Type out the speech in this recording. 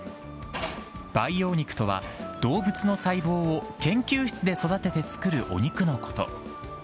培養肉とは、動物の細胞を研究室で育てて作るお肉のこと。